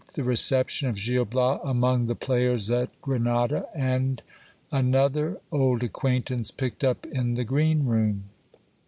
— The reception of Gil Bias among the players at Grenada ; and an other old acquaintance picked up in the green room.